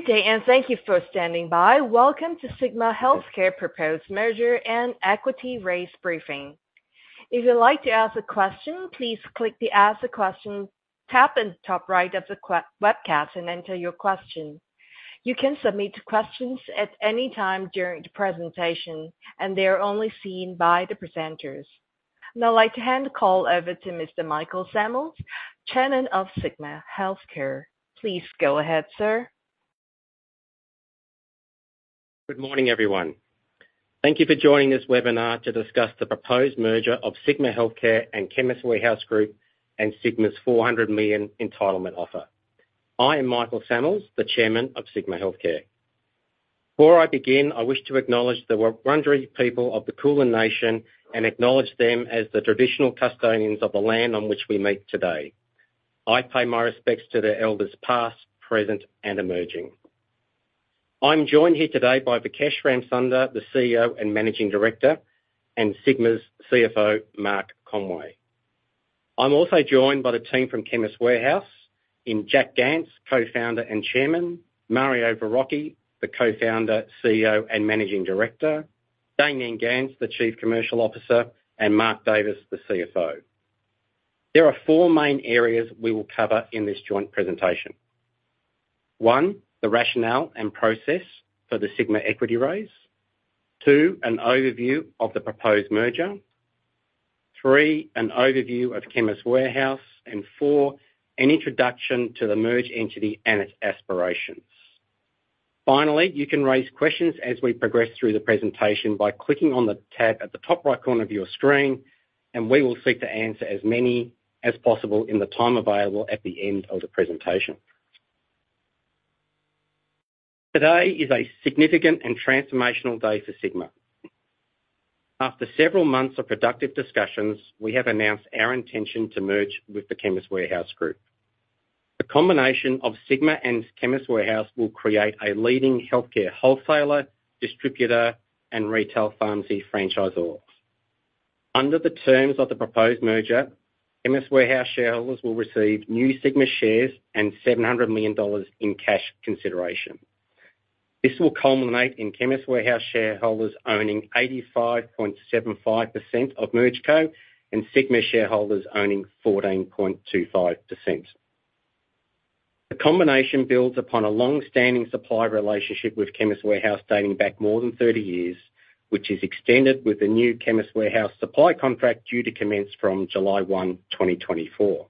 Good day, and thank you for standing by. Welcome to Sigma Healthcare Proposed Merger and Equity Raise briefing. If you'd like to ask a question, please click the Ask a Question tab in the top right of the Q&A webcast and enter your question. You can submit questions at any time during the presentation, and they are only seen by the presenters. Now, I'd like to hand the call over to Mr. Michael Sammells, Chairman of Sigma Healthcare. Please go ahead, sir. Good morning, everyone. Thank you for joining this webinar to discuss the proposed merger of Sigma Healthcare and Chemist Warehouse Group and Sigma's 400 million entitlement offer. I am Michael Sammells, the Chairman of Sigma Healthcare. Before I begin, I wish to acknowledge the Wurundjeri people of the Kulin Nation and acknowledge them as the traditional custodians of the land on which we meet today. I pay my respects to the elders past, present, and emerging. I'm joined here today by Vikesh Ramsunder, the CEO and Managing Director, and Sigma's CFO, Mark Conway. I'm also joined by the team from Chemist Warehouse, in Jack Gance, Co-Founder and Chairman, Mario Verrocchi, the Co-Founder, CEO, and Managing Director, Damien Gance, the Chief Commercial Officer, and Mark Davis, the CFO. There are four main areas we will cover in this joint presentation. One, the rationale and process for the Sigma equity raise. Two, an overview of the proposed merger. Three, an overview of Chemist Warehouse. And four, an introduction to the merged entity and its aspirations. Finally, you can raise questions as we progress through the presentation by clicking on the tab at the top right corner of your screen, and we will seek to answer as many as possible in the time available at the end of the presentation. Today is a significant and transformational day for Sigma. After several months of productive discussions, we have announced our intention to merge with the Chemist Warehouse Group. The combination of Sigma and Chemist Warehouse will create a leading healthcare wholesaler, distributor, and retail pharmacy franchisor. Under the terms of the proposed merger, Chemist Warehouse shareholders will receive new Sigma shares and 700 million dollars in cash consideration. This will culminate in Chemist Warehouse shareholders owning 85.75% of MergeCo and Sigma shareholders owning 14.25%. The combination builds upon a long-standing supply relationship with Chemist Warehouse, dating back more than 30 years, which is extended with the new Chemist Warehouse supply contract due to commence from July 1, 2024.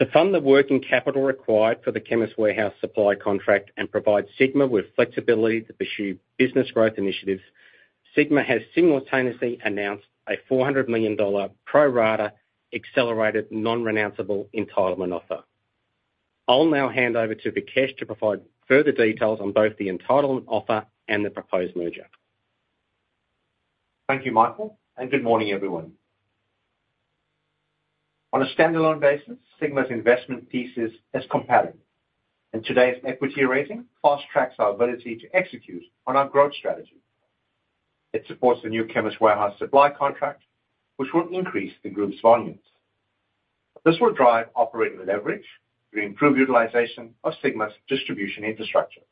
To fund the working capital required for the Chemist Warehouse supply contract and provide Sigma with flexibility to pursue business growth initiatives, Sigma has simultaneously announced a 400 million dollar pro rata accelerated non-renounceable entitlement offer. I'll now hand over to Vikesh to provide further details on both the entitlement offer and the proposed merger. Thank you, Michael, and good morning, everyone. On a standalone basis, Sigma's investment thesis is compelling, and today's equity raising fast-tracks our ability to execute on our growth strategy. It supports the new Chemist Warehouse supply contract, which will increase the group's volumes. This will drive operating leverage to improve utilization of Sigma's distribution infrastructure.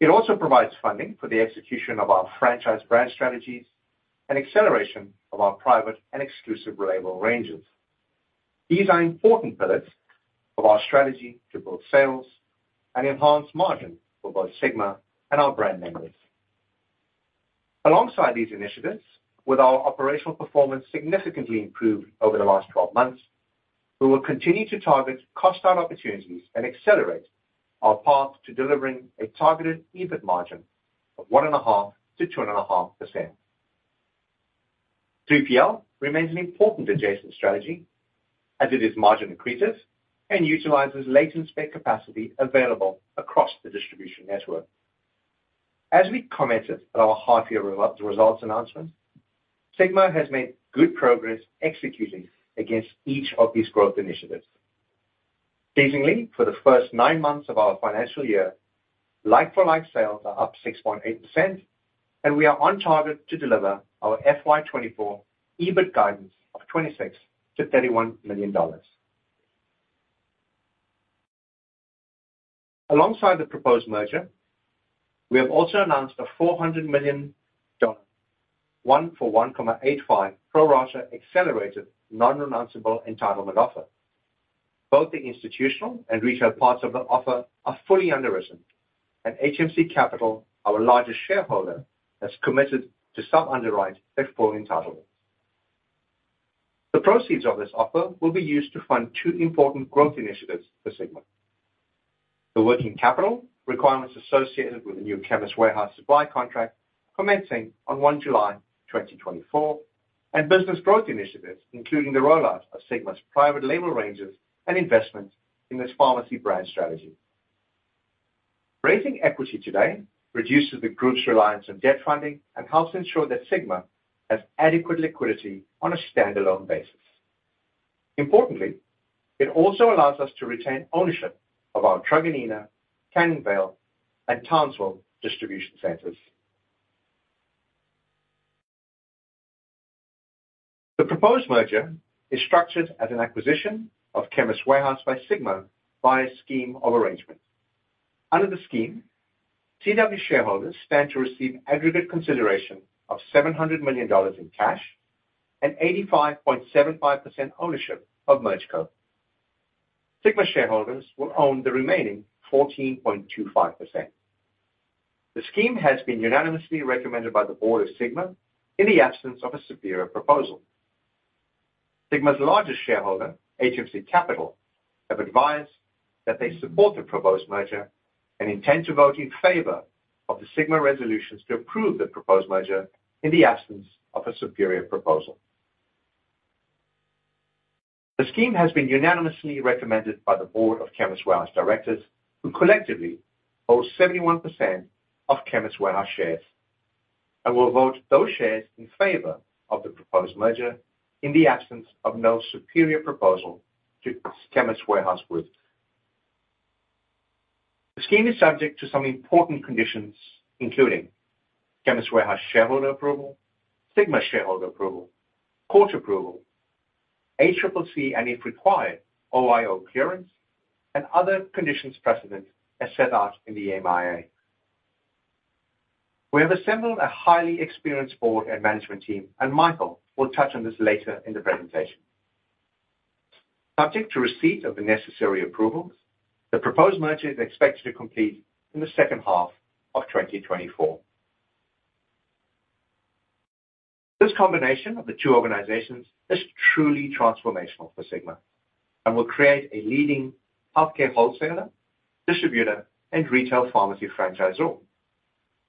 It also provides funding for the execution of our franchise brand strategies and acceleration of our private and exclusive label ranges. These are important pillars of our strategy to build sales and enhance margin for both Sigma and our brand members. Alongside these initiatives, with our operational performance significantly improved over the last 12 months, we will continue to target cost-out opportunities and accelerate our path to delivering a targeted EBIT margin of 1.5%-2.5%. 3PL remains an important adjacent strategy, as it is margin accretive and utilizes latent spare capacity available across the distribution network. As we commented at our half-year results announcement, Sigma has made good progress executing against each of these growth initiatives. Pleasingly, for the first 9 months of our financial year, like-for-like sales are up 6.8%, and we are on target to deliver our FY 2024 EBIT guidance of AUD 26 million-AUD 31 million. Alongside the proposed merger, we have also announced a 400 million, 1 for 1.85 pro rata accelerated non-renounceable entitlement offer. Both the institutional and retail parts of the offer are fully underwritten, and HMC Capital, our largest shareholder, has committed to sub-underwrite their full entitlement. The proceeds of this offer will be used to fund two important growth initiatives for Sigma: the working capital requirements associated with the new Chemist Warehouse supply contract commencing on 1 July 2024, and business growth initiatives, including the rollout of Sigma's private label ranges and investments in this pharmacy brand strategy. Raising equity today reduces the group's reliance on debt funding and helps ensure that Sigma has adequate liquidity on a standalone basis. Importantly, it also allows us to retain ownership of our Truganina, Canning Vale, and Townsville distribution centers. The proposed merger is structured as an acquisition of Chemist Warehouse by Sigma via a scheme of arrangement. Under the scheme, CW shareholders stand to receive aggregate consideration of 700 million dollars in cash and 85.75% ownership of MergeCo. Sigma shareholders will own the remaining 14.25%. The scheme has been unanimously recommended by the board of Sigma in the absence of a superior proposal. Sigma's largest shareholder, HMC Capital, have advised that they support the proposed merger and intend to vote in favor of the Sigma resolutions to approve the proposed merger in the absence of a superior proposal. The scheme has been unanimously recommended by the board of Chemist Warehouse directors, who collectively hold 71% of Chemist Warehouse shares and will vote those shares in favor of the proposed merger in the absence of no superior proposal to Chemist Warehouse Group. The scheme is subject to some important conditions, including Chemist Warehouse shareholder approval, Sigma shareholder approval, court approval, ACCC, and if required, OIO clearance and other conditions precedent as set out in the MIA. We have assembled a highly experienced board and management team, and Michael will touch on this later in the presentation. Subject to receipt of the necessary approvals, the proposed merger is expected to complete in the second half of 2024. This combination of the two organizations is truly transformational for Sigma and will create a leading healthcare wholesaler, distributor, and retail pharmacy franchisor.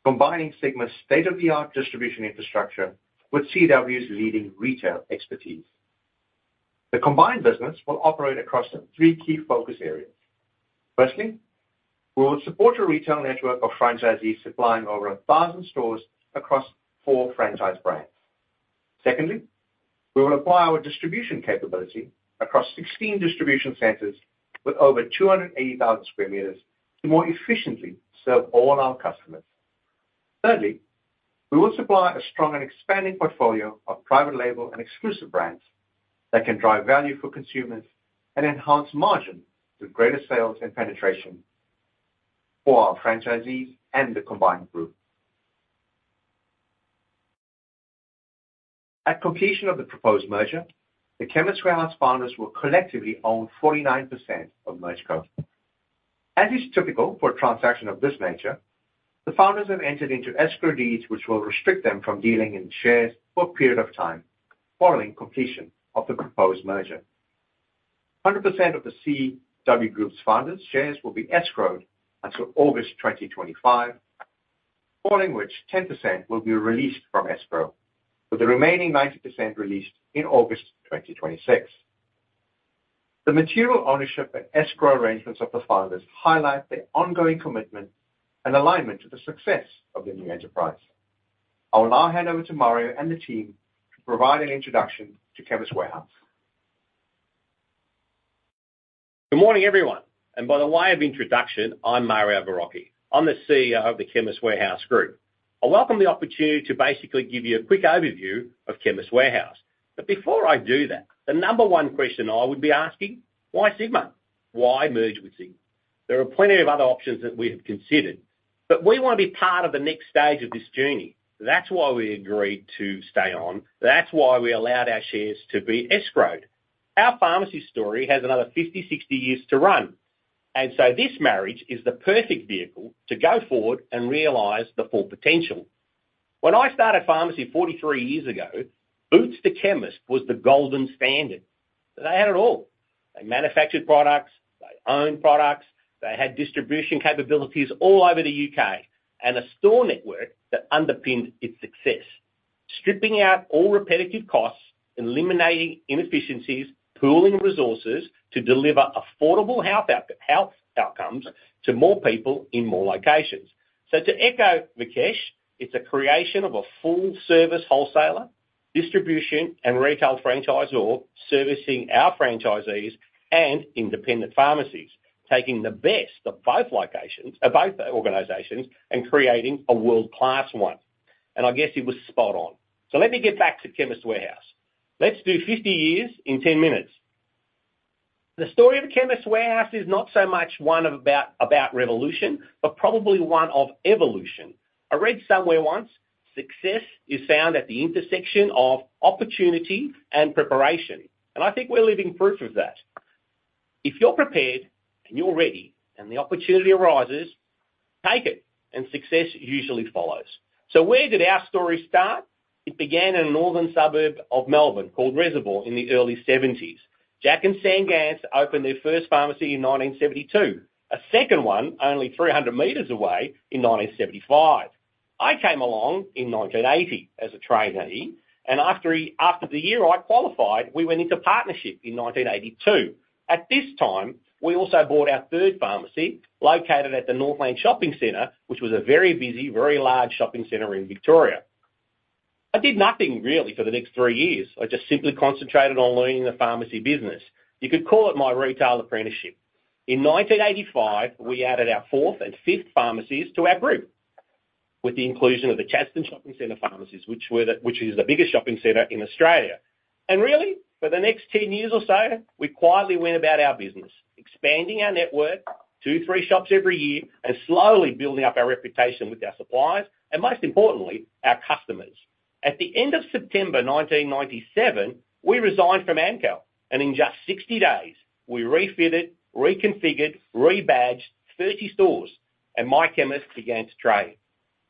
Combining Sigma's state-of-the-art distribution infrastructure with CW's leading retail expertise. The combined business will operate across the three key focus areas. Firstly, we will support a retail network of franchisees supplying over 1,000 stores across four franchise brands. Secondly, we will apply our distribution capability across 16 distribution centers with over 280,000 sq m to more efficiently serve all our customers. Thirdly, we will supply a strong and expanding portfolio of private label and exclusive brands that can drive value for consumers and enhance margin with greater sales and penetration for our franchisees and the combined group. At completion of the proposed merger, the Chemist Warehouse founders will collectively own 49% of MergeCo. As is typical for a transaction of this nature, the founders have entered into escrow deeds, which will restrict them from dealing in shares for a period of time following completion of the proposed merger. 100% of the CW group's founders shares will be escrowed until August 2025, following which 10% will be released from escrow, with the remaining 90% released in August 2026. The material ownership and escrow arrangements of the founders highlight their ongoing commitment and alignment to the success of the new enterprise. I will now hand over to Mario and the team to provide an introduction to Chemist Warehouse. Good morning, everyone, and by the way of introduction, I'm Mario Verrocchi. I'm the CEO of the Chemist Warehouse Group. I welcome the opportunity to basically give you a quick overview of Chemist Warehouse. But before I do that, the number one question I would be asking: Why Sigma? Why merge with Sigma? There are plenty of other options that we have considered, but we want to be part of the next stage of this journey. That's why we agreed to stay on. That's why we allowed our shares to be escrowed. Our pharmacy story has another 50, 60 years to run, and so this marriage is the perfect vehicle to go forward and realize the full potential. When I started pharmacy 43 years ago, Boots the Chemist was the golden standard. They had it all. They manufactured products, they owned products, they had distribution capabilities all over the U.K., and a store network that underpinned its success. Stripping out all repetitive costs, eliminating inefficiencies, pooling resources to deliver affordable health outcomes to more people in more locations. So to echo Vikesh, it's a creation of a full-service wholesaler, distribution, and retail franchisor, servicing our franchisees and independent pharmacies, taking the best of both organizations and creating a world-class one, and I guess he was spot on. So let me get back to Chemist Warehouse. Let's do 50 years in 10 minutes. The story of Chemist Warehouse is not so much one about revolution, but probably one of evolution. I read somewhere once: "Success is found at the intersection of opportunity and preparation." I think we're living proof of that. If you're prepared and you're ready, and the opportunity arises, take it, and success usually follows. So where did our story start? It began in a northern suburb of Melbourne called Reservoir in the early 1970s. Jack and Sam Gance opened their first pharmacy in 1972, a second one only 300 meters away in 1975. I came along in 1980 as a trainee, and after the year I qualified, we went into partnership in 1982. At this time, we also bought our third pharmacy, located at the Northland Shopping Centre, which was a very busy, very large shopping center in Victoria. I did nothing really for the next three years. I just simply concentrated on learning the pharmacy business. You could call it my retail apprenticeship. In 1985, we added our fourth and fifth pharmacies to our group, with the inclusion of the Chadstone Shopping Centre pharmacies, which is the biggest shopping center in Australia. And really, for the next 10 years or so, we quietly went about our business, expanding our network, two, three shops every year, and slowly building up our reputation with our suppliers, and most importantly, our customers. At the end of September 1997, we resigned from Amcal, and in just 60 days we refitted, reconfigured, rebadged 30 stores, and My Chemist began to trade.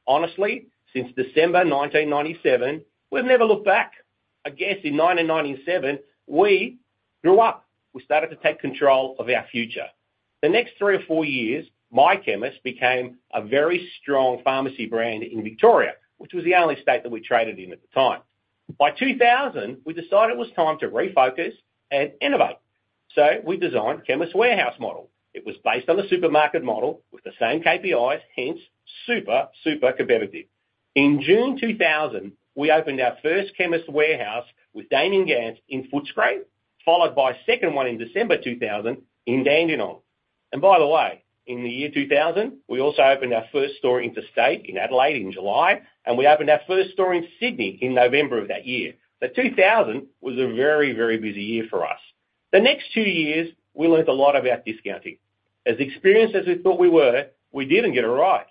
Honestly, since December 1997, we've never looked back. I guess in 1997, we grew up. We started to take control of our future. The next 3 or 4 years, My Chemist became a very strong pharmacy brand in Victoria, which was the only state that we traded in at the time. By 2000, we decided it was time to refocus and innovate, so we designed Chemist Warehouse model. It was based on the supermarket model with the same KPIs, hence super, super competitive. In June 2000, we opened our first Chemist Warehouse with Damien Gance in Footscray, followed by a second one in December 2000 in Dandenong. By the way, in the year 2000, we also opened our first store interstate, in Adelaide, in July, and we opened our first store in Sydney in November of that year. 2000 was a very, very busy year for us. The next 2 years, we learned a lot about discounting. As experienced as we thought we were, we didn't get it right,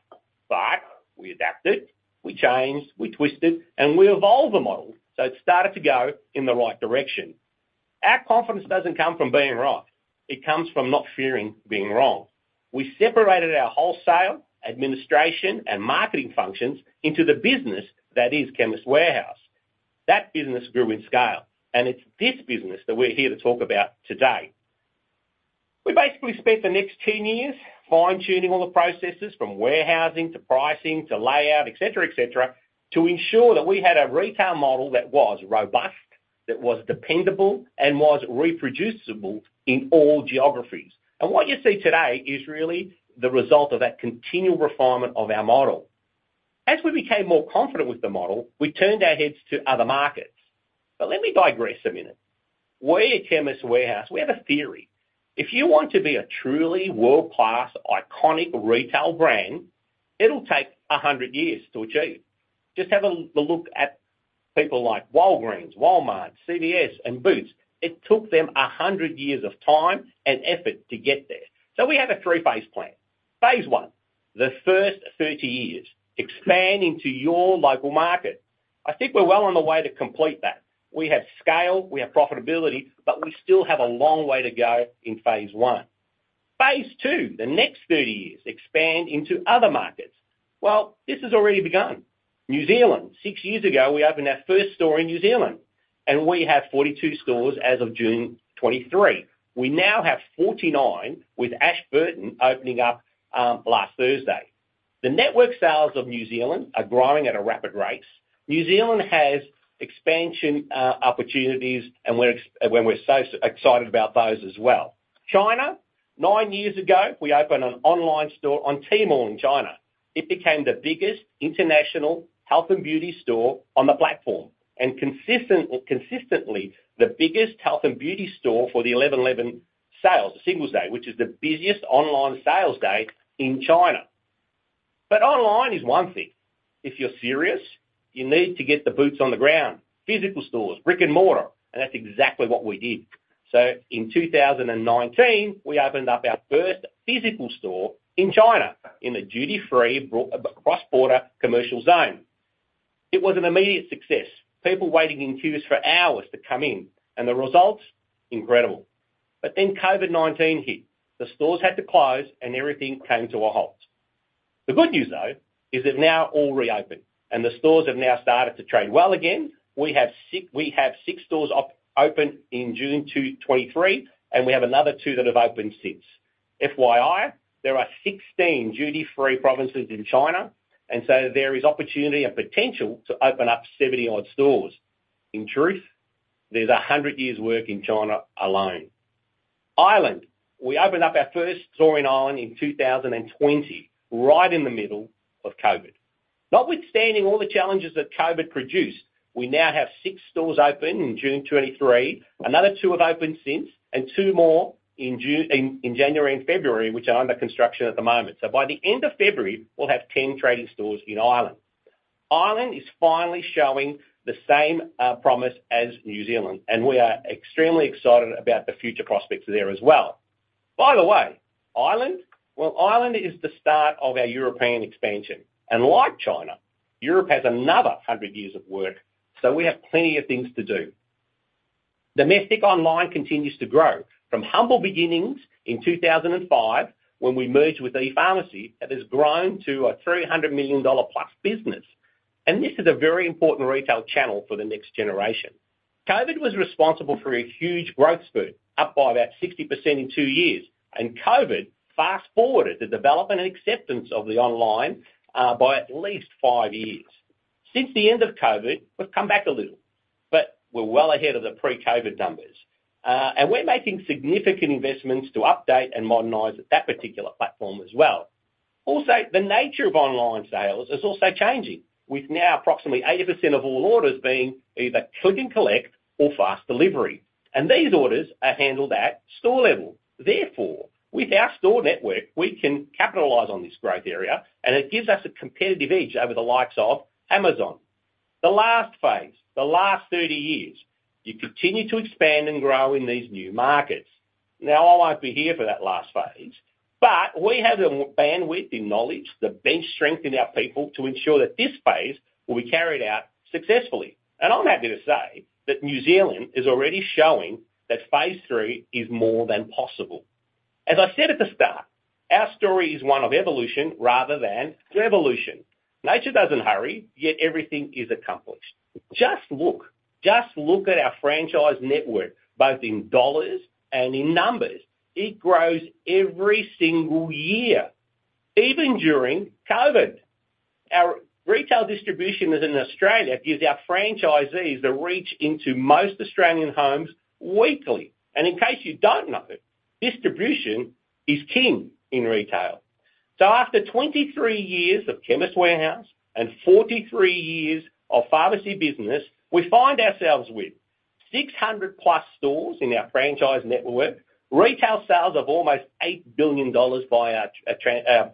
but we adapted, we changed, we twisted, and we evolved the model, so it started to go in the right direction. Our confidence doesn't come from being right, it comes from not fearing being wrong. We separated our wholesale, administration, and marketing functions into the business that is Chemist Warehouse. That business grew in scale, and it's this business that we're here to talk about today. We basically spent the next 10 years fine-tuning all the processes, from warehousing, to pricing, to layout, et cetera, et cetera, to ensure that we had a retail model that was robust, that was dependable, and was reproducible in all geographies. And what you see today is really the result of that continual refinement of our model. As we became more confident with the model, we turned our heads to other markets. But let me digress a minute. We at Chemist Warehouse, we have a theory: if you want to be a truly world-class, iconic retail brand, it'll take 100 years to achieve. Just have a look at people like Walgreens, Walmart, CVS, and Boots. It took them 100 years of time and effort to get there. So we have a three-phase plan. Phase I, the first 30 years, expand into your local market. I think we're well on the way to complete that. We have scale, we have profitability, but we still have a long way to go in phase I. Phase II, the next 30 years, expand into other markets. Well, this has already begun. New Zealand. Six years ago, we opened our first store in New Zealand, and we have 42 stores as of June 2023. We now have 49, with Ashburton opening up last Thursday. The network sales of New Zealand are growing at a rapid rate. New Zealand has expansion opportunities, and we're so excited about those as well. China. Nine years ago, we opened an online store on Tmall in China. It became the biggest international health and beauty store on the platform, and consistently, the biggest health and beauty store for the 11.11 sales, Singles Day, which is the busiest online sales day in China. But online is one thing. If you're serious, you need to get the boots on the ground, physical stores, brick-and-mortar, and that's exactly what we did. So in 2019, we opened up our first physical store in China, in a duty-free cross-border commercial zone. It was an immediate success. People waiting in queues for hours to come in, and the results? Incredible. But then COVID-19 hit. The stores had to close, and everything came to a halt. The good news, though, is they've now all reopened, and the stores have now started to trade well again. We have six stores open in June 2023, and we have another 2 that have opened since. FYI, there are 16 duty-free provinces in China, and so there is opportunity and potential to open up 70-odd stores. In truth, there's 100 years' work in China alone. Ireland. We opened up our first store in Ireland in 2020, right in the middle of COVID. Notwithstanding all the challenges that COVID produced, we now have six stores open in June 2023, another two have opened since, and two more in January and February, which are under construction at the moment. So by the end of February, we'll have 10 trading stores in Ireland. Ireland is finally showing the same promise as New Zealand, and we are extremely excited about the future prospects there as well. By the way, Ireland? Well, Ireland is the start of our European expansion. And like China, Europe has another 100 years of work, so we have plenty of things to do. Domestic online continues to grow. From humble beginnings in 2005, when we merged with ePharmacy, it has grown to an 300 million dollar-plus business, and this is a very important retail channel for the next generation. COVID was responsible for a huge growth spurt, up by about 60% in 2 years, and COVID fast-forwarded the development and acceptance of the online by at least 5 years. Since the end of COVID, we've come back a little, but we're well ahead of the pre-COVID numbers, and we're making significant investments to update and modernize that particular platform as well. Also, the nature of online sales is also changing, with now approximately 80% of all orders being either click and collect or fast delivery, and these orders are handled at store level. Therefore, with our store network, we can capitalize on this growth area, and it gives us a competitive edge over the likes of Amazon. The last phase, the last 30 years, you continue to expand and grow in these new markets. Now, I won't be here for that last phase, but we have the bandwidth in knowledge, the bench strength in our people, to ensure that this phase will be carried out successfully. And I'm happy to say that New Zealand is already showing that phase III is more than possible. As I said at the start, our story is one of evolution rather than revolution. Nature doesn't hurry, yet everything is accomplished. Just look, just look at our franchise network, both in dollars and in numbers. It grows every single year, even during COVID! Our retail distribution is in Australia, gives our franchisees the reach into most Australian homes weekly. And in case you don't know it, distribution is king in retail. So after 23 years of Chemist Warehouse and 43 years of pharmacy business, we find ourselves with 600+ stores in our franchise network, retail sales of almost 8 billion dollars by our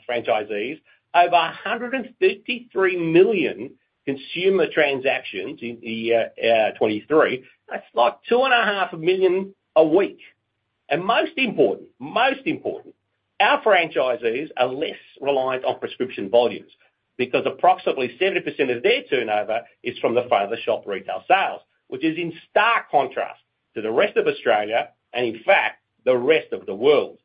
franchisees, over 153 million consumer transactions in the year 2023. That's like 2.5 million a week. Most important, most important, our franchisees are less reliant on prescription volumes, because approximately 70% of their turnover is from the pharmacy shop retail sales, which is in stark contrast to the rest of Australia, and in fact, the rest of the world.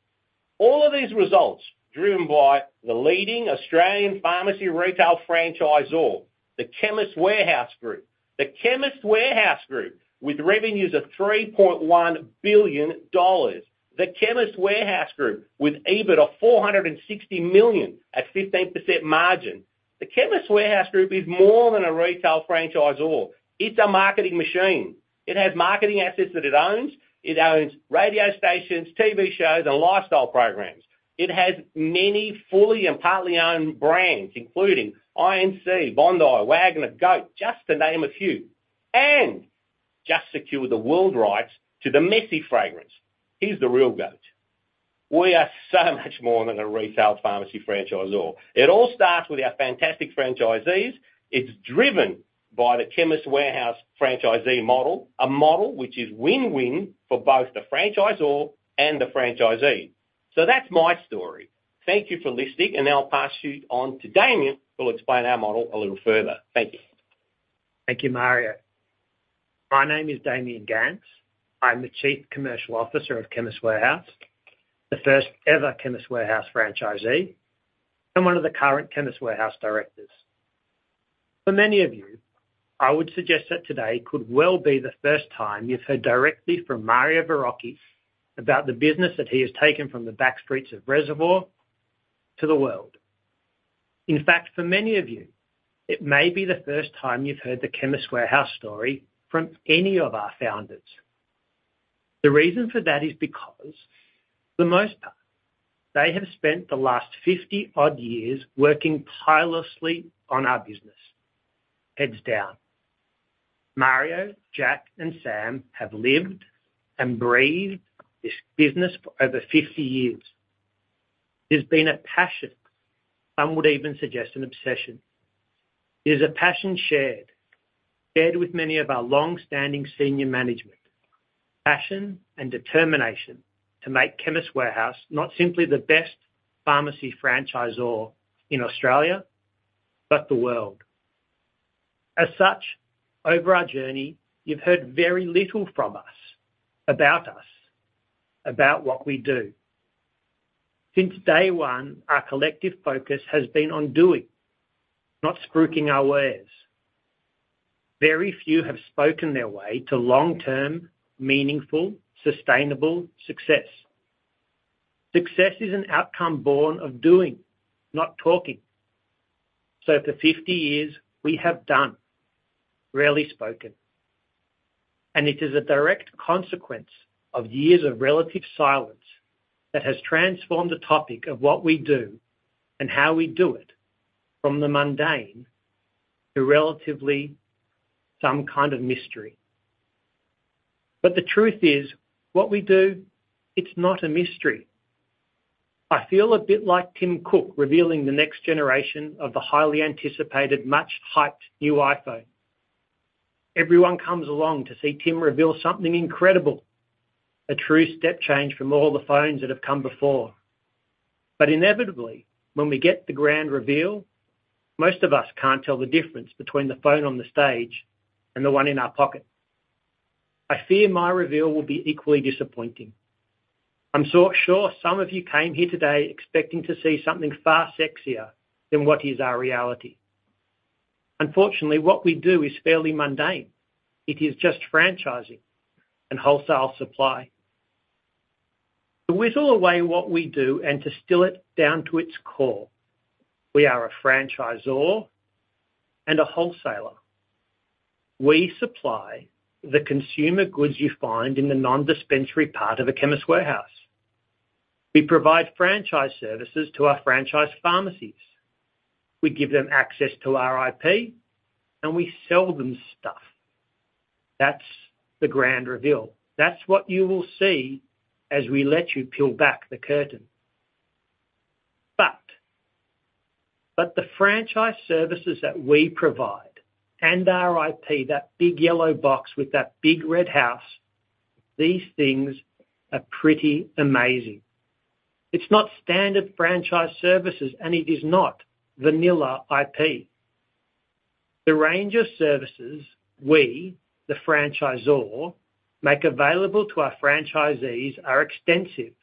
All of these results, driven by the leading Australian pharmacy retail franchisor, the Chemist Warehouse Group. The Chemist Warehouse Group, with revenues of 3.1 billion dollars. The Chemist Warehouse Group, with EBIT of 460 million at 15% margin. The Chemist Warehouse Group is more than a retail franchisor, it's a marketing machine. It has marketing assets that it owns. It owns radio stations, TV shows, and lifestyle programs. It has many fully and partly owned brands, including INC, Bondi, Wagner, and Goat, just to name a few, and just secured the world rights to the Messi fragrance. He's the real goat. We are so much more than a retail pharmacy franchisor. It all starts with our fantastic franchisees. It's driven by the Chemist Warehouse franchisee model, a model which is win-win for both the franchisor and the franchisee. So that's my story. Thank you for listening, and I'll pass you on to Damien, who'll explain our model a little further. Thank you. Thank you, Mario. My name is Damien Gance. I'm the Chief Commercial Officer of Chemist Warehouse, the first ever Chemist Warehouse franchisee, and one of the current Chemist Warehouse directors. For many of you, I would suggest that today could well be the first time you've heard directly from Mario Verrocchi, about the business that he has taken from the backstreets of Reservoir to the world. In fact, for many of you, it may be the first time you've heard the Chemist Warehouse story from any of our founders. The reason for that is because, for the most part, they have spent the last 50-odd years working tirelessly on our business, heads down. Mario, Jack, and Sam have lived and breathed this business for over 50 years. It's been a passion, some would even suggest an obsession. It is a passion shared, shared with many of our long-standing senior management. Passion and determination to make Chemist Warehouse, not simply the best pharmacy franchisor in Australia, but the world. As such, over our journey, you've heard very little from us, about us, about what we do. Since day one, our collective focus has been on doing, not spruiking our wares. Very few have spoken their way to long-term, meaningful, sustainable success. Success is an outcome born of doing, not talking. So for 50 years, we have done, rarely spoken, and it is a direct consequence of years of relative silence, that has transformed the topic of what we do and how we do it, from the mundane to relatively some kind of mystery. But the truth is, what we do, it's not a mystery. I feel a bit like Tim Cook, revealing the next generation of the highly anticipated, much-hyped new iPhone. Everyone comes along to see Tim reveal something incredible, a true step change from all the phones that have come before. But inevitably, when we get the grand reveal, most of us can't tell the difference between the phone on the stage and the one in our pocket. I fear my reveal will be equally disappointing. I'm so sure some of you came here today expecting to see something far sexier than what is our reality. Unfortunately, what we do is fairly mundane. It is just franchising and wholesale supply. To whittle away what we do and to distill it down to its core, we are a franchisor and a wholesaler. We supply the consumer goods you find in the non-dispensary part of a Chemist Warehouse. We provide franchise services to our franchise pharmacies. We give them access to our IP, and we sell them stuff. That's the grand reveal. That's what you will see as we let you peel back the curtain. But the franchise services that we provide and our IP, that big yellow box with that big red house, these things are pretty amazing. It's not standard franchise services, and it is not vanilla IP. The range of services we, the franchisor, make available to our franchisees are extensive,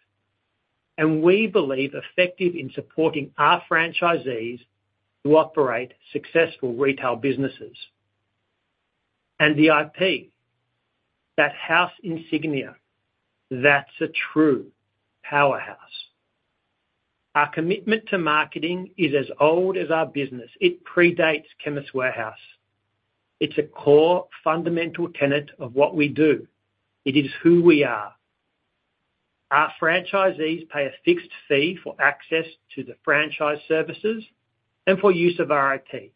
and we believe effective in supporting our franchisees who operate successful retail businesses. And the IP, that house insignia, that's a true powerhouse. Our commitment to marketing is as old as our business. It predates Chemist Warehouse. It is a core fundamental tenet of what we do. It is who we are. Our franchisees pay a fixed fee for access to the franchise services and for use of our IP,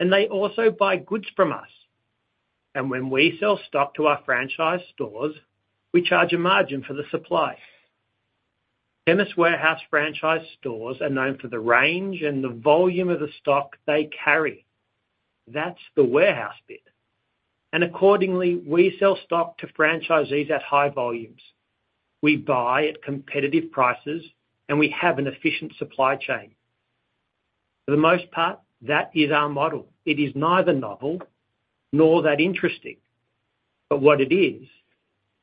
and they also buy goods from us. When we sell stock to our franchise stores, we charge a margin for the supply. Chemist Warehouse franchise stores are known for the range and the volume of the stock they carry. That's the warehouse bit, and accordingly, we sell stock to franchisees at high volumes. We buy at competitive prices, and we have an efficient supply chain. For the most part, that is our model. It is neither novel nor that interesting, but what it is,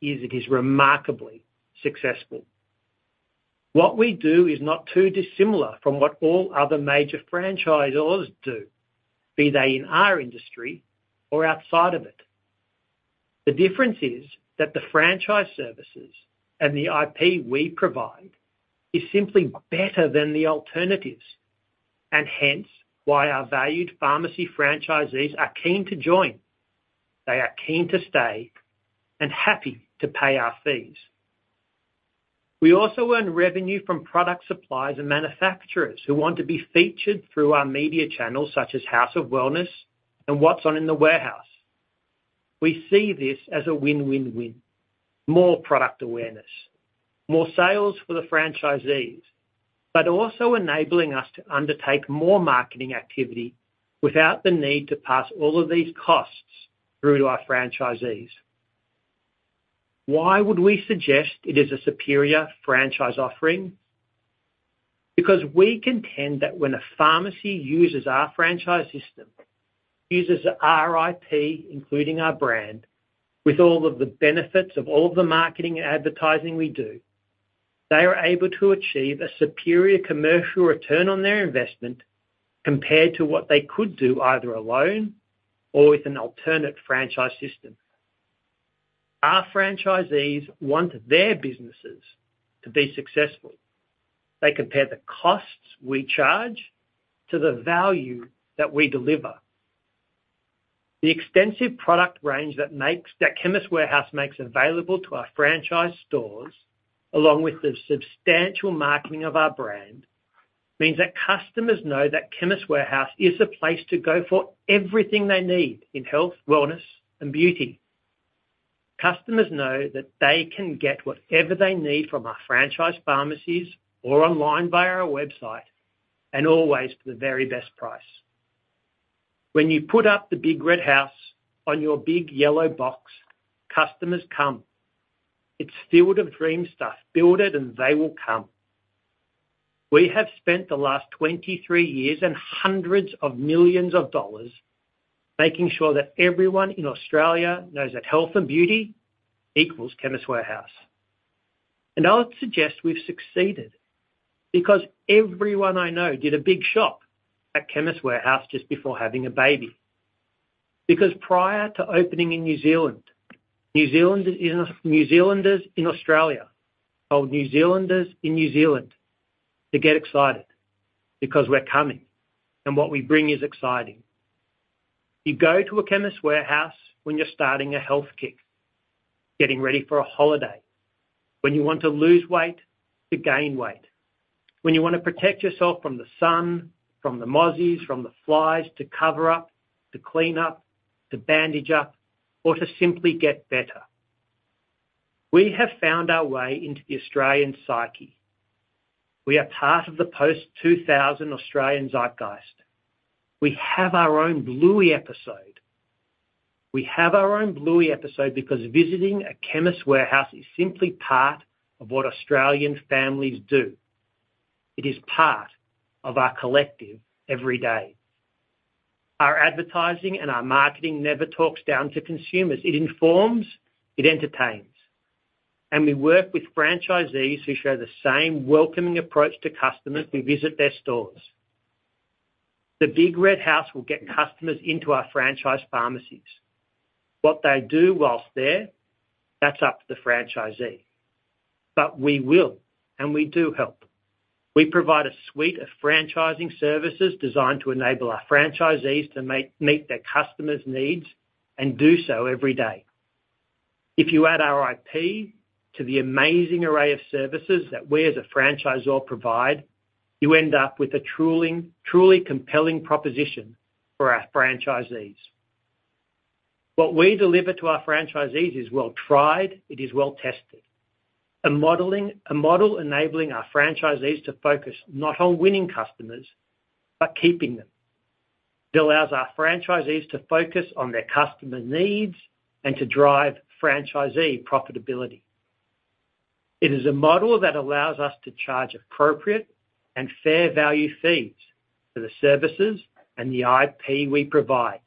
is it is remarkably successful. What we do is not too dissimilar from what all other major franchisors do, be they in our industry or outside of it. The difference is that the franchise services and the IP we provide is simply better than the alternatives, and hence, why our valued pharmacy franchisees are keen to join. They are keen to stay and happy to pay our fees. We also earn revenue from product suppliers and manufacturers who want to be featured through our media channels, such as House of Wellness and What's On in the Warehouse. We see this as a win-win-win. More product awareness, more sales for the franchisees, but also enabling us to undertake more marketing activity without the need to pass all of these costs through to our franchisees. Why would we suggest it is a superior franchise offering? Because we contend that when a pharmacy uses our franchise system, uses our IP, including our brand, with all of the benefits of all the marketing and advertising we do, they are able to achieve a superior commercial return on their investment compared to what they could do either alone or with an alternate franchise system. Our franchisees want their businesses to be successful. They compare the costs we charge to the value that we deliver. The extensive product range that Chemist Warehouse makes available to our franchise stores, along with the substantial marketing of our brand, means that customers know that Chemist Warehouse is the place to go for everything they need in health, wellness, and beauty. Customers know that they can get whatever they need from our franchise pharmacies or online via our website, and always for the very best price. When you put up the big red house on your big yellow box, customers come. It's Field of Dreams stuff. "Build it, and they will come." We have spent the last 23 years and hundreds of millions of AUD making sure that everyone in Australia knows that health and beauty equals Chemist Warehouse. I would suggest we've succeeded, because everyone I know did a big shop at Chemist Warehouse just before having a baby. Because prior to opening in New Zealand, New Zealanders in Australia, or New Zealanders in New Zealand, they get excited because we're coming, and what we bring is exciting. You go to a Chemist Warehouse when you're starting a health kick, getting ready for a holiday, when you want to lose weight, to gain weight, when you want to protect yourself from the sun, from the mozzies, from the flies, to cover up, to clean up, to bandage up, or to simply get better. We have found our way into the Australian psyche. We are part of the post-2000 Australian zeitgeist. We have our own Bluey episode. We have our own Bluey episode because visiting a Chemist Warehouse is simply part of what Australian families do. It is part of our collective every day. Our advertising and our marketing never talks down to consumers. It informs, it entertains, and we work with franchisees who share the same welcoming approach to customers who visit their stores. The big red house will get customers into our franchise pharmacies. What they do while there, that's up to the franchisee, but we will and we do help. We provide a suite of franchising services designed to enable our franchisees to meet their customers' needs and do so every day. If you add our IP to the amazing array of services that we, as a franchisor, provide, you end up with a truly compelling proposition for our franchisees. What we deliver to our franchisees is well-tried, it is well-tested. A model enabling our franchisees to focus not on winning customers, but keeping them. It allows our franchisees to focus on their customer needs and to drive franchisee profitability. It is a model that allows us to charge appropriate and fair value fees for the services and the IP we provide,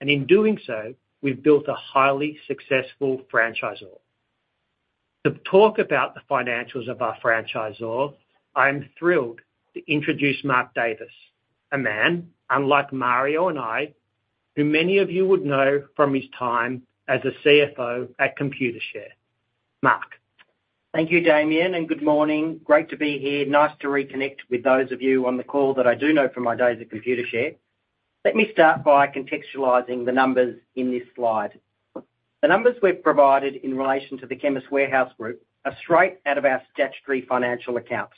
and in doing so, we've built a highly successful franchisor. To talk about the financials of our franchisor, I'm thrilled to introduce Mark Davis, a man, unlike Mario and I, who many of you would know from his time as a CFO at Computershare. Mark? Thank you, Damien, and good morning. Great to be here. Nice to reconnect with those of you on the call that I do know from my days at Computershare. Let me start by contextualizing the numbers in this slide. The numbers we've provided in relation to the Chemist Warehouse Group are straight out of our statutory financial accounts.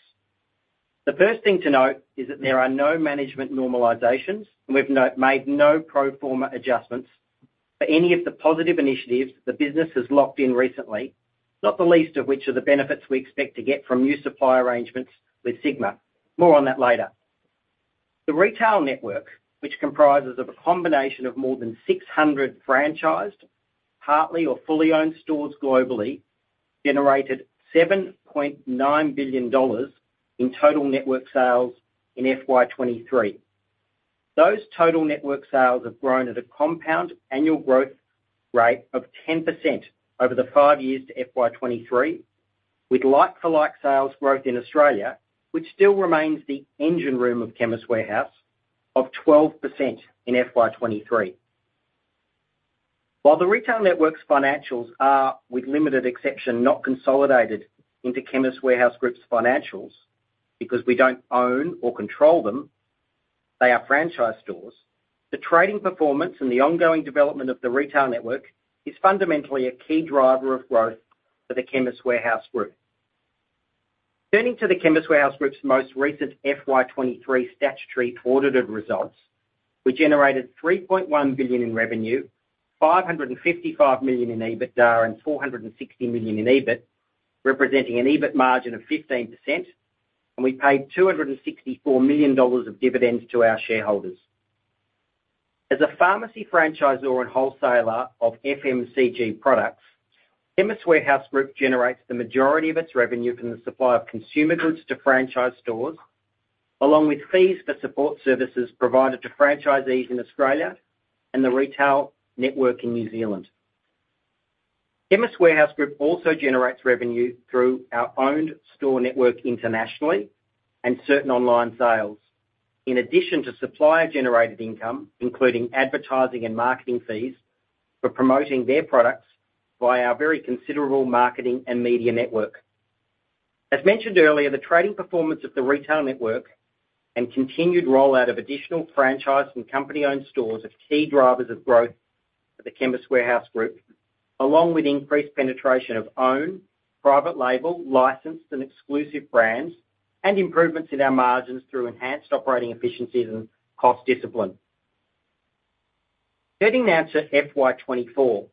The first thing to note is that there are no management normalizations, and we've not made no pro forma adjustments for any of the positive initiatives the business has locked in recently, not the least of which are the benefits we expect to get from new supply arrangements with Sigma. More on that later. The retail network, which comprises of a combination of more than 600 franchised, partly or fully owned stores globally, generated 7.9 billion dollars in total network sales in FY 2023. Those total network sales have grown at a compound annual growth rate of 10% over the five years to FY 2023, with like-for-like sales growth in Australia, which still remains the engine room of Chemist Warehouse of 12% in FY 2023. While the retail network's financials are, with limited exception, not consolidated into Chemist Warehouse Group's financials, because we don't own or control them, they are franchise stores. The trading performance and the ongoing development of the retail network is fundamentally a key driver of growth for the Chemist Warehouse Group. Turning to the Chemist Warehouse Group's most recent FY 2023 statutory audited results, we generated 3.1 billion in revenue, 555 million in EBITDA, and 460 million in EBIT, representing an EBIT margin of 15%, and we paid 264 million dollars of dividends to our shareholders. As a pharmacy franchisor and wholesaler of FMCG products, Chemist Warehouse Group generates the majority of its revenue from the supply of consumer goods to franchise stores, along with fees for support services provided to franchisees in Australia and the retail network in New Zealand. Chemist Warehouse Group also generates revenue through our own store network internationally and certain online sales, in addition to supplier-generated income, including advertising and marketing fees, for promoting their products via our very considerable marketing and media network. As mentioned earlier, the trading performance of the retail network and continued rollout of additional franchise and company-owned stores are key drivers of growth for the Chemist Warehouse Group, along with increased penetration of own, private label, licensed and exclusive brands, and improvements in our margins through enhanced operating efficiencies and cost discipline. Turning now to FY 2024.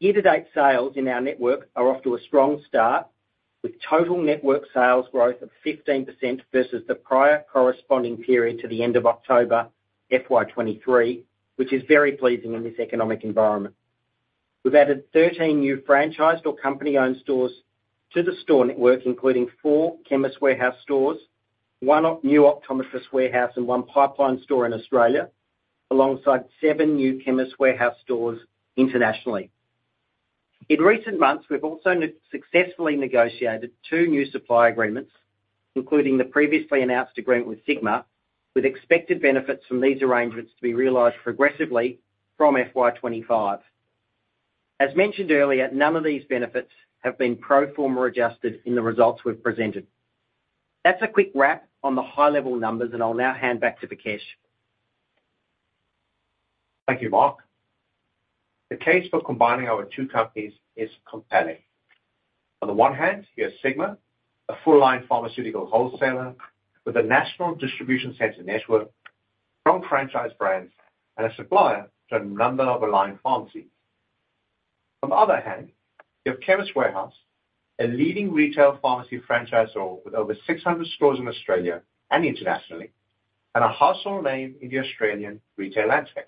Year-to-date sales in our network are off to a strong start, with total network sales growth of 15% versus the prior corresponding period to the end of October FY 2023, which is very pleasing in this economic environment. We've added 13 new franchised or company-owned stores to the store network, including four Chemist Warehouse stores, one new Optometrist Warehouse, and one pipeline store in Australia, alongside seven new Chemist Warehouse stores internationally. In recent months, we've also successfully negotiated two new supply agreements, including the previously announced agreement with Sigma, with expected benefits from these arrangements to be realized progressively from FY 2025. As mentioned earlier, none of these benefits have been pro forma adjusted in the results we've presented. That's a quick wrap on the high-level numbers, and I'll now hand back to Vikesh. Thank you, Mark. The case for combining our two companies is compelling. On the one hand, you have Sigma, a full-line pharmaceutical wholesaler with a national distribution center network, strong franchise brands, and a supplier to a number of aligned pharmacies. On the other hand, you have Chemist Warehouse, a leading retail pharmacy franchisor with over 600 stores in Australia and internationally, and a household name in the Australian retail landscape.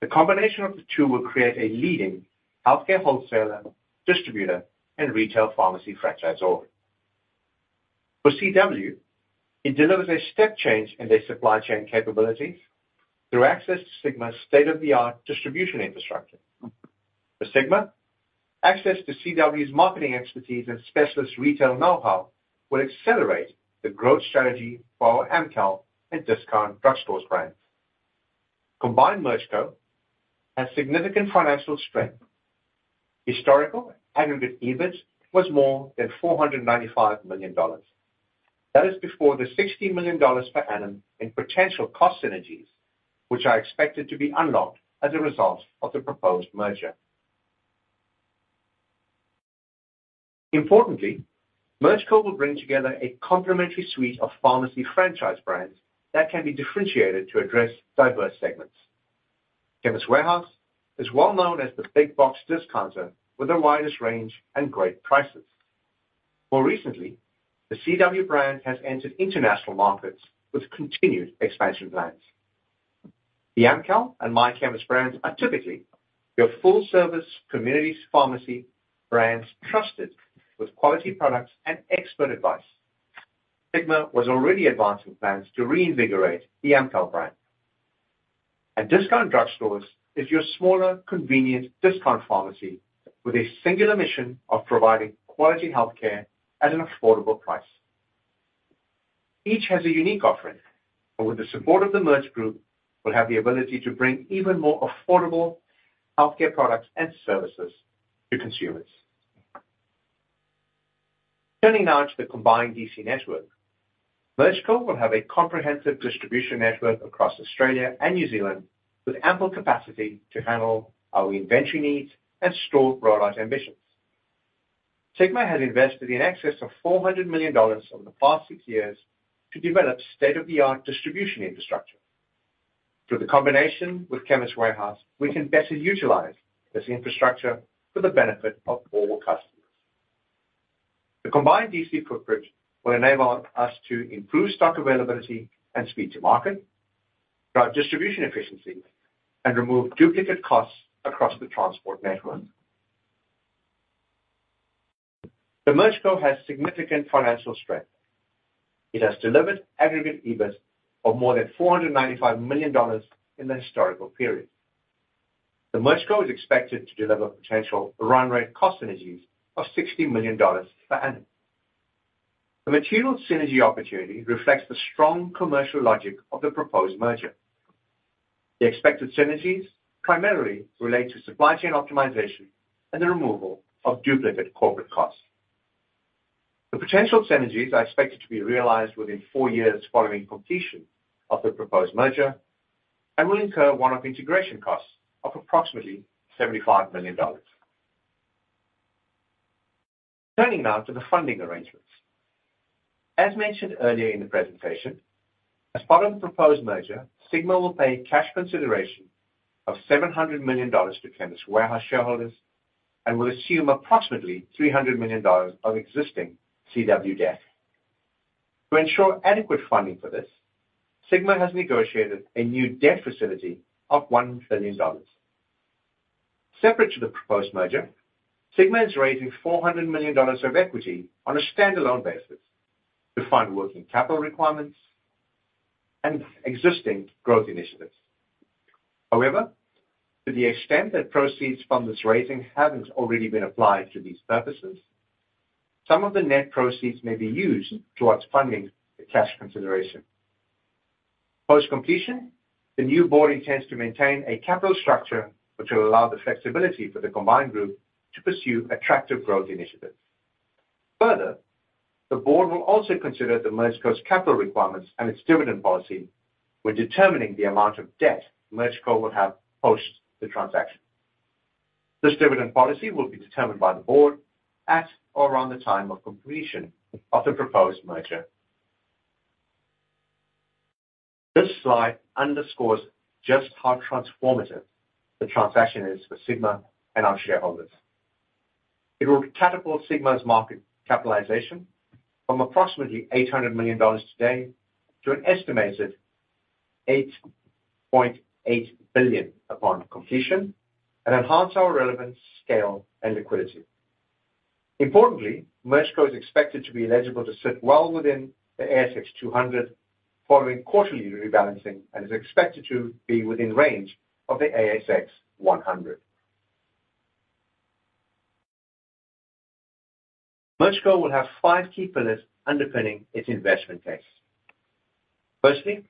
The combination of the two will create a leading healthcare wholesaler, distributor, and retail pharmacy franchisor. For CW, it delivers a step change in their supply chain capabilities through access to Sigma's state-of-the-art distribution infrastructure. For Sigma, access to CW's marketing expertise and specialist retail know-how will accelerate the growth strategy for our Amcal and Discount Drug Stores brands. Combined, MergeCo has significant financial strength. Historical aggregate EBIT was more than 495 million dollars. That is before the 60 million dollars per annum in potential cost synergies, which are expected to be unlocked as a result of the proposed merger. Importantly, MergeCo will bring together a complementary suite of pharmacy franchise brands that can be differentiated to address diverse segments. Chemist Warehouse is well known as the big box discounter with the widest range and great prices. More recently, the CW brand has entered international markets with continued expansion plans. The Amcal and My Chemist brands are typically your full-service community pharmacy brands trusted with quality products and expert advice. Sigma was already advancing plans to reinvigorate the Amcal brand. And Discount Drug Stores is your smaller, convenient discount pharmacy with a singular mission of providing quality health care at an affordable price. Each has a unique offering, but with the support of the merged group, will have the ability to bring even more affordable healthcare products and services to consumers. Turning now to the combined DC network, MergeCo will have a comprehensive distribution network across Australia and New Zealand, with ample capacity to handle our inventory needs and store rollout ambitions. Sigma has invested in excess of 400 million dollars over the past 6 years to develop state-of-the-art distribution infrastructure. Through the combination with Chemist Warehouse, we can better utilize this infrastructure for the benefit of all customers. The combined DC footprint will enable us to improve stock availability and speed to market, drive distribution efficiency, and remove duplicate costs across the transport network. The MergeCo has significant financial strength. It has delivered aggregate EBIT of more than 495 million dollars in the historical period. The MergeCo is expected to deliver potential run rate cost synergies of 60 million dollars per annum. The material synergy opportunity reflects the strong commercial logic of the proposed merger. The expected synergies primarily relate to supply chain optimization and the removal of duplicate corporate costs. The potential synergies are expected to be realized within 4 years following completion of the proposed merger and will incur one-off integration costs of approximately 75 million dollars. Turning now to the funding arrangements. As mentioned earlier in the presentation, as part of the proposed merger, Sigma will pay cash consideration of 700 million dollars to Chemist Warehouse shareholders and will assume approximately 300 million dollars of existing CW debt. To ensure adequate funding for this, Sigma has negotiated a new debt facility of 1 billion dollars. Separate to the proposed merger, Sigma is raising 400 million dollars of equity on a standalone basis to fund working capital requirements and existing growth initiatives. However, to the extent that proceeds from this raising haven't already been applied to these purposes, some of the net proceeds may be used towards funding the cash consideration. Post-completion, the new board intends to maintain a capital structure, which will allow the flexibility for the combined group to pursue attractive growth initiatives. Further, the board will also consider the MergeCo's capital requirements and its dividend policy when determining the amount of debt MergeCo will have post the transaction. This dividend policy will be determined by the board at or around the time of completion of the proposed merger. This slide underscores just how transformative the transaction is for Sigma and our shareholders. It will catapult Sigma's market capitalization from approximately 800 million dollars today to an estimated 8.8 billion upon completion, and enhance our relevance, scale, and liquidity. Importantly, MergeCo is expected to be eligible to sit well within the ASX 200 following quarterly rebalancing, and is expected to be within range of the ASX 100. MergeCo will have five key pillars underpinning its investment case. Firstly,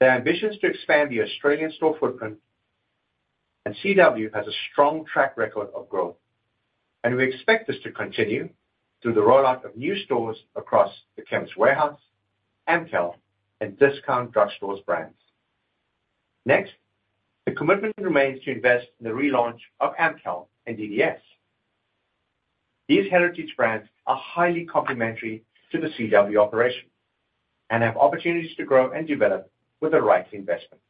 there are ambitions to expand the Australian store footprint, and CW has a strong track record of growth. We expect this to continue through the rollout of new stores across the Chemist Warehouse, Amcal, and Discount Drug Stores brands. Next, the commitment remains to invest in the relaunch of Amcal and DDS. These heritage brands are highly complementary to the CW operation and have opportunities to grow and develop with the right investment.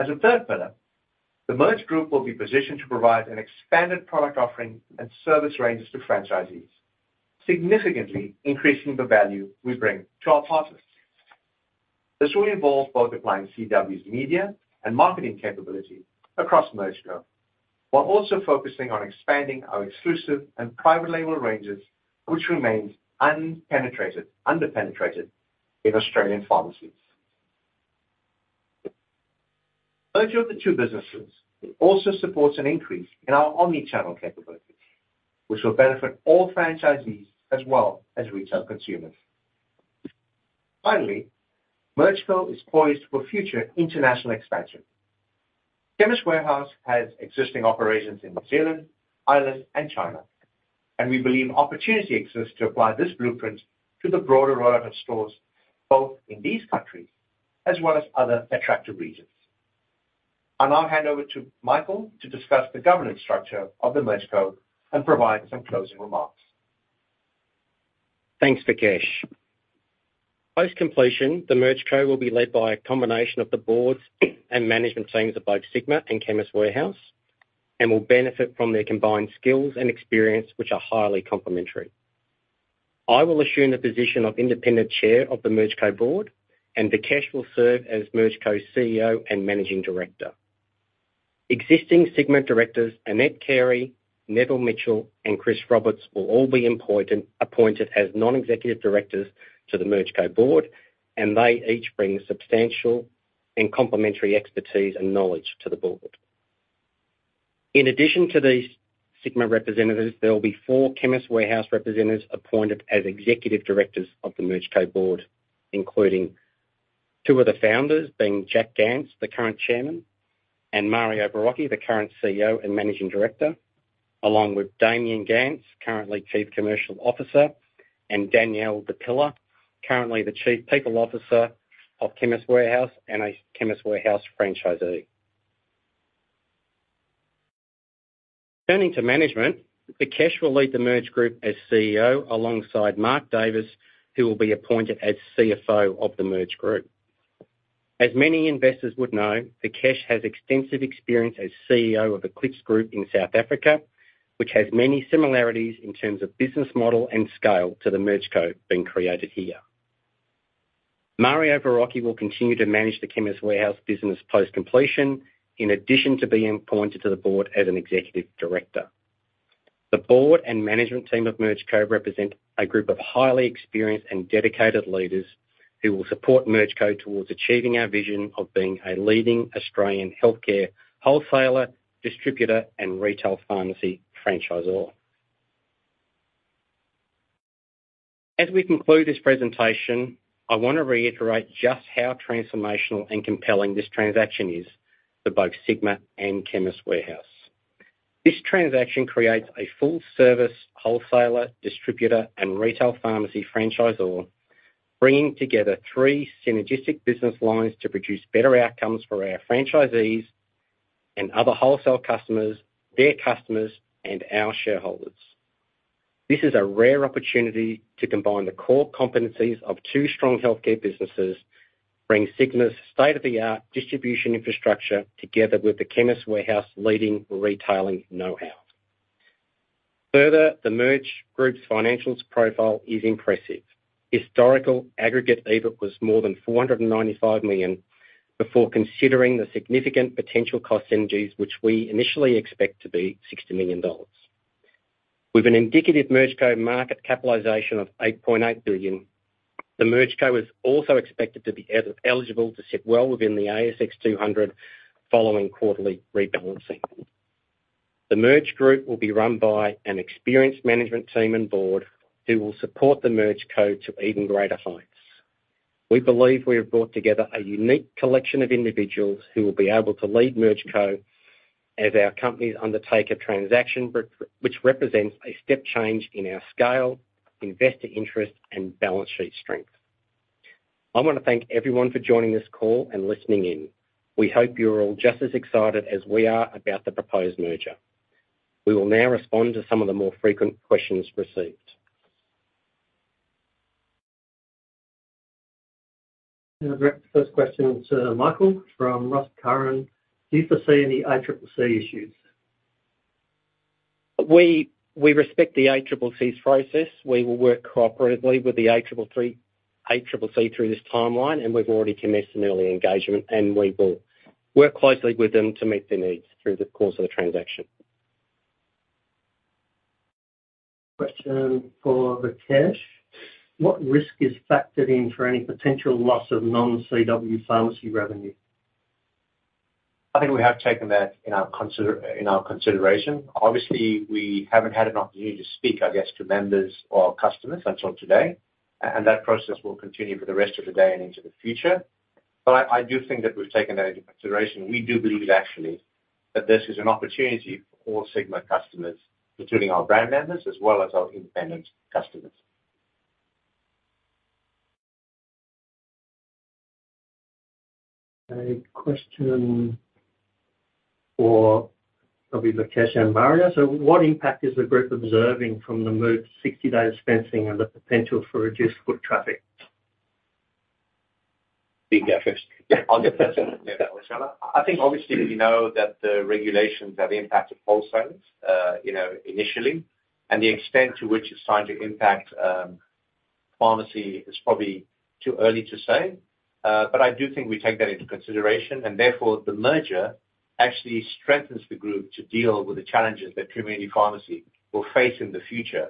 As a third pillar, the merged group will be positioned to provide an expanded product offering and service ranges to franchisees, significantly increasing the value we bring to our partners. This will involve both applying CW's media and marketing capability across MergeCo, while also focusing on expanding our exclusive and private label ranges, which remains unpenetrated, underpenetrated in Australian pharmacies. Merger of the two businesses, it also supports an increase in our omni-channel capabilities, which will benefit all franchisees as well as retail consumers. Finally, MergeCo is poised for future international expansion. Chemist Warehouse has existing operations in New Zealand, Ireland, and China, and we believe opportunity exists to apply this blueprint to the broader rollout of stores, both in these countries as well as other attractive regions. I'll now hand over to Michael to discuss the governance structure of the MergeCo and provide some closing remarks. Thanks, Vikesh. Post-completion, the MergeCo will be led by a combination of the boards and management teams of both Sigma and Chemist Warehouse, and will benefit from their combined skills and experience, which are highly complementary. I will assume the position of independent chair of the MergeCo board, and Vikesh will serve as MergeCo's CEO and Managing Director. Existing Sigma directors, Annette Carey, Neville Mitchell, and Chris Roberts, will all be importantly appointed as non-executive directors to the MergeCo board, and they each bring substantial and complementary expertise and knowledge to the board. In addition to these Sigma representatives, there will be four Chemist Warehouse representatives appointed as executive directors of the merged board, including two of the founders, being Jack Gance, the current chairman, and Mario Verrocchi, the current CEO and Managing Director, along with Damien Gance, currently Chief Commercial Officer, and Danielle Di Pilla, currently the Chief People Officer of Chemist Warehouse and a Chemist Warehouse franchisee. Turning to management, Vikesh will lead the merged Group as CEO, alongside Mark Davis, who will be appointed as CFO of the merged Group. As many investors would know, Vikesh has extensive experience as CEO of the Clicks Group in South Africa, which has many similarities in terms of business model and scale to the merged being created here. Mario Verrocchi will continue to manage the Chemist Warehouse business post-completion, in addition to being appointed to the board as an executive director. The board and management team of MergeCo represent a group of highly experienced and dedicated leaders who will support MergeCo towards achieving our vision of being a leading Australian healthcare wholesaler, distributor, and retail pharmacy franchisor. As we conclude this presentation, I want to reiterate just how transformational and compelling this transaction is for both Sigma and Chemist Warehouse. This transaction creates a full-service wholesaler, distributor, and retail pharmacy franchisor, bringing together three synergistic business lines to produce better outcomes for our franchisees and other wholesale customers, their customers, and our shareholders. This is a rare opportunity to combine the core competencies of two strong healthcare businesses, bring Sigma's state-of-the-art distribution infrastructure together with the Chemist Warehouse leading retailing know-how. Further, the Merge Group's financials profile is impressive. Historical aggregate EBIT was more than 495 million, before considering the significant potential cost synergies, which we initially expect to be AUD 60 million. With an indicative MergeCo market capitalization of AUD 8.8 billion, the MergeCo is also expected to be eligible to sit well within the ASX 200 following quarterly rebalancing. The Merge Group will be run by an experienced management team and board who will support the MergeCo to even greater heights. We believe we have brought together a unique collection of individuals who will be able to lead MergeCo as our companies undertake a transaction which represents a step change in our scale, investor interest, and balance sheet strength. I want to thank everyone for joining this call and listening in. We hope you're all just as excited as we are about the proposed merger. We will now respond to some of the more frequent questions received. Direct first question to Michael from Ross Curran: Do you foresee any ACCC issues? We respect the ACCC's process. We will work cooperatively with the ACCC through this timeline, and we've already commenced an early engagement, and we will work closely with them to meet their needs through the course of the transaction. Question for Vikesh: What risk is factored in for any potential loss of non-CW pharmacy revenue? I think we have taken that in our consideration. Obviously, we haven't had an opportunity to speak, I guess, to members or customers until today, and that process will continue for the rest of the day and into the future. But I do think that we've taken that into consideration. We do believe, actually, that this is an opportunity for all Sigma customers, including our brand members, as well as our independent customers. A question for probably Vikesh and Mario. So what impact is the group observing from the moved 60-day dispensing and the potential for reduced foot traffic? You go first. Yeah, I'll get first. I think obviously we know that the regulations have impacted wholesalers, you know, initially, and the extent to which it's going to impact, pharmacy is probably too early to say. But I do think we take that into consideration, and therefore, the merger actually strengthens the group to deal with the challenges that community pharmacy will face in the future.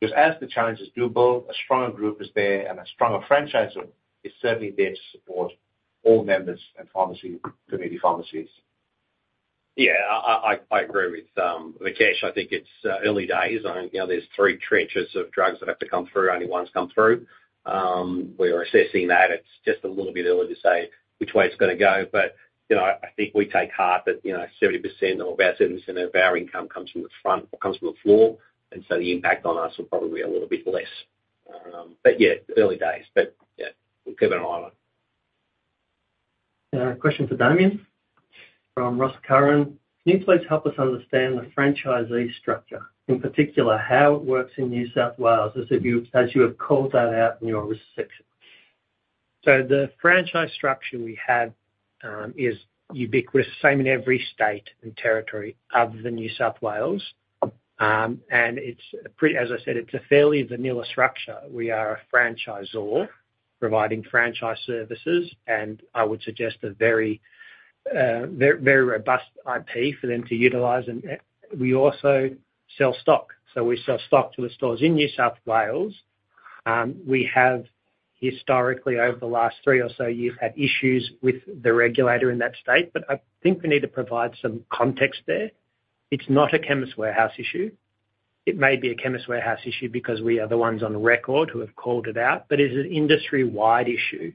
Because as the challenges do build, a stronger group is there, and a stronger franchisor is certainly there to support all members and pharmacy, community pharmacies. Yeah, I agree with Vikesh. I think it's early days. I think, you know, there's three tranches of drugs that have to come through, only one's come through. We are assessing that. It's just a little bit early to say which way it's gonna go, but, you know, I think we take heart that, you know, 70% or about 70% of our income comes from the front or comes from the floor, and so the impact on us will probably be a little bit less. But yeah, early days, but yeah, we'll keep an eye on it. Question for Damien from Ross Curran. Can you please help us understand the franchisee structure, in particular, how it works in New South Wales, as you have called that out in your risk section? So the franchise structure we have is ubiquitous, same in every state and territory other than New South Wales. And as I said, it's a fairly vanilla structure. We are a franchisor providing franchise services, and I would suggest a very very robust IP for them to utilize, and we also sell stock. So we sell stock to the stores in New South Wales. We have historically, over the last three or so years, had issues with the regulator in that state, but I think we need to provide some context there. It's not a Chemist Warehouse issue. It may be a Chemist Warehouse issue because we are the ones on the record who have called it out, but it's an industry-wide issue.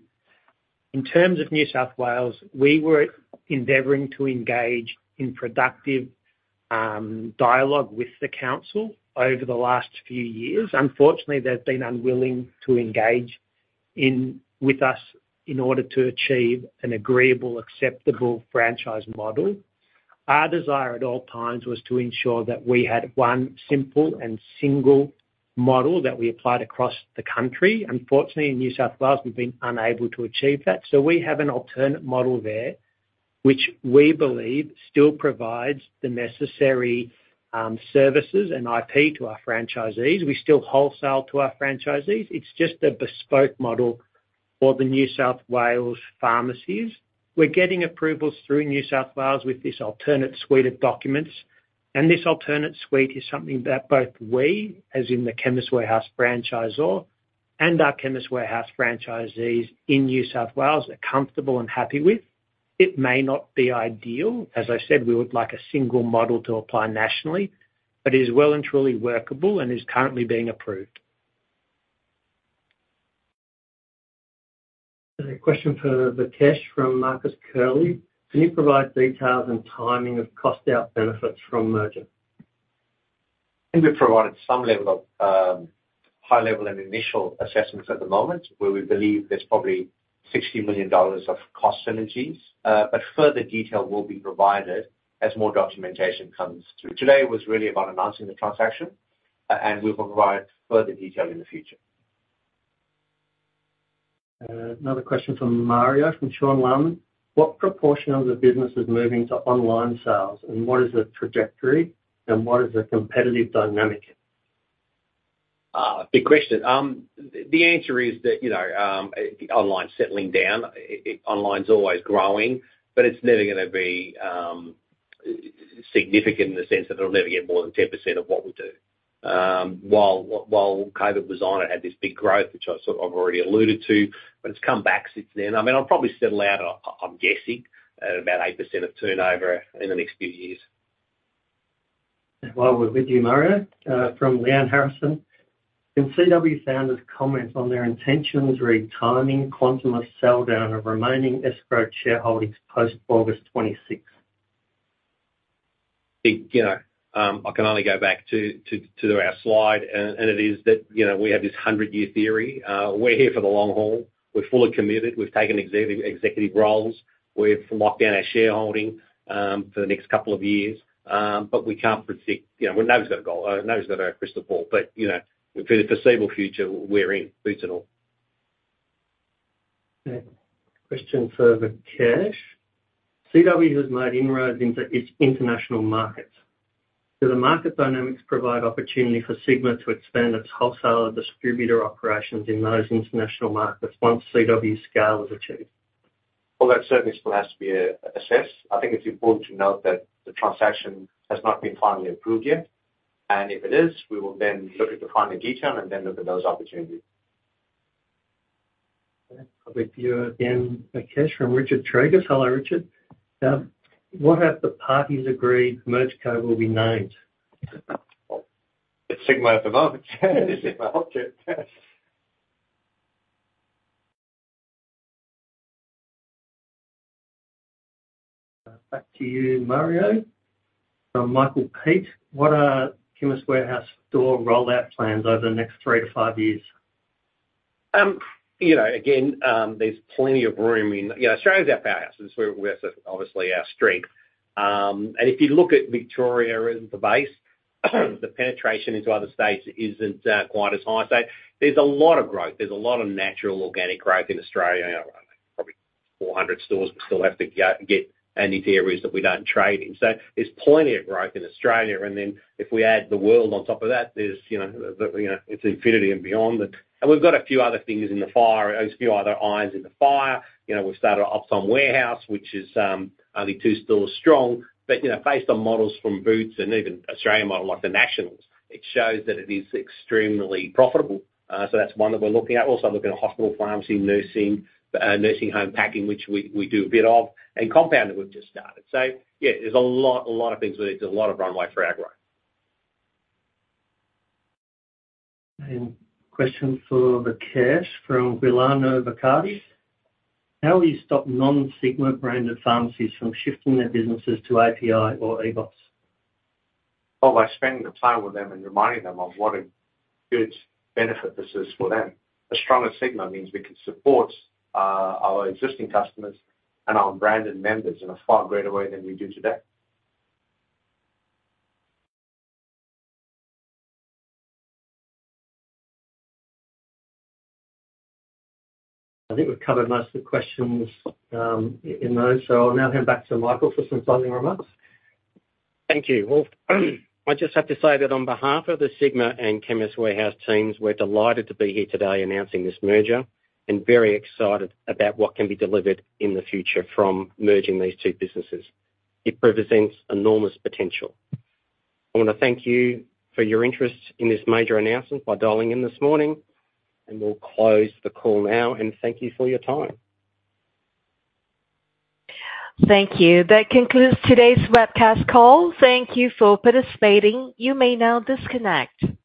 In terms of New South Wales, we were endeavoring to engage in productive dialogue with the council over the last few years. Unfortunately, they've been unwilling to engage with us in order to achieve an agreeable, acceptable franchise model. Our desire at all times was to ensure that we had one simple and single model that we applied across the country. Unfortunately, in New South Wales, we've been unable to achieve that, so we have an alternate model there, which we believe still provides the necessary services and IP to our franchisees. We still wholesale to our franchisees. It's just a bespoke model for the New South Wales pharmacies. We're getting approvals through New South Wales with this alternate suite of documents, and this alternate suite is something that both we, as in the Chemist Warehouse franchisor, and our Chemist Warehouse franchisees in New South Wales are comfortable and happy with. It may not be ideal. As I said, we would like a single model to apply nationally, but is well and truly workable and is currently being approved. A question for Vikesh from Marcus Curley. Can you provide details and timing of cost out benefits from merger? I think we've provided some level of, high level and initial assessments at the moment, where we believe there's probably 60 million dollars of cost synergies, but further detail will be provided as more documentation comes through. Today was really about announcing the transaction, and we will provide further detail in the future. Another question from Mario, from Sean Laaman. What proportion of the business is moving to online sales, and what is the trajectory, and what is the competitive dynamic? Good question. The answer is that, you know, online is settling down. Online's always growing, but it's never gonna be significant in the sense that it'll never get more than 10% of what we do. While COVID was on, it had this big growth, which I sort of, I've already alluded to, but it's come back since then. I mean, I'll probably settle out, I'm guessing, at about 8% of turnover in the next few years. While we're with you, Mario, from Liane Harrison. Can CW founders comment on their intentions re-timing quantum of sell down of remaining escrowed shareholdings post-August twenty-sixth? You know, I can only go back to our slide, and it is that, you know, we have this 100-year theory. We're here for the long haul. We're fully committed. We've taken executive roles. We've locked down our shareholding for the next couple of years, but we can't predict, you know, we're nowhere to go, nowhere's out our crystal ball, but, you know, for the foreseeable future, we're in boots and all. Okay. Question for Vikesh. CW has made inroads into its international markets. Do the market dynamics provide opportunity for Sigma to expand its wholesaler distributor operations in those international markets once CW scale is achieved? Well, that certainly still has to be assessed. I think it's important to note that the transaction has not been finally approved yet, and if it is, we will then look at the final detail and then look at those opportunities. Okay. I'll give you again, Vikesh, from Richard Treagus. Hello, Richard. What have the parties agreed MergeCo will be named? It's Sigma at the moment. Sigma. [inaudible] Yes. Back to you, Mario. From Michael Peet: What are Chemist Warehouse store rollout plans over the next three to five years? You know, again, there's plenty of room in. Yeah, Australia is our powerhouse. It's where, where obviously our strength, and if you look at Victoria as the base, the penetration into other states isn't quite as high. So there's a lot of growth, there's a lot of natural organic growth in Australia. Probably 400 stores, we still have to go get into areas that we don't trade in. So there's plenty of growth in Australia, and then if we add the world on top of that, there's, you know, the, you know, it's infinity and beyond. But, and we've got a few other things in the fire, a few other irons in the fire. You know, we've started off some warehouse, which is, only two stores strong, but, you know, based on models from Boots and even Australian model, like the Nationals, it shows that it is extremely profitable. So that's one that we're looking at. We're also looking at hospital, pharmacy, nursing, nursing home packing, which we, we do a bit of, and compounding, we've just started. So yeah, there's a lot, a lot of things with it. There's a lot of runway for our growth. Question for Vikesh, from Bilyana Bakardjieva. How do you stop non-Sigma-branded pharmacies from shifting their businesses to API or Ebos? Well, by spending the time with them and reminding them of what a good benefit this is for them. A stronger Sigma means we can support our existing customers and our branded members in a far greater way than we do today. I think we've covered most of the questions, in those. So I'll now hand back to Michael for some closing remarks. Thank you. Well, I just have to say that on behalf of the Sigma and Chemist Warehouse teams, we're delighted to be here today announcing this merger, and very excited about what can be delivered in the future from merging these two businesses. It represents enormous potential. I want to thank you for your interest in this major announcement by dialing in this morning, and we'll close the call now, and thank you for your time. Thank you. That concludes today's webcast call. Thank you for participating. You may now disconnect.